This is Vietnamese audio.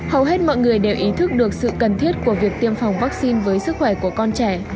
hầu hết mọi người đều ý thức được sự cần thiết của việc tiêm phòng vaccine với sức khỏe của con trẻ